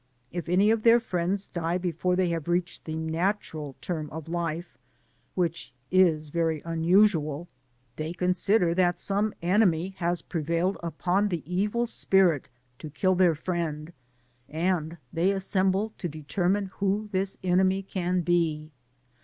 If any of their friends die before they have reached the natural term of life, (which is very Digitized byGoogk THE PAMPAS INDIANS. 121 Ukiueual,) they consider that some enemy has pre* vailed upon the evil spirit to kill their friend, and they assemble to determine who this enemy can be.